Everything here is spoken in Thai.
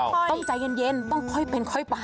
ต้องใจเย็นต้องค่อยเป็นค่อยไป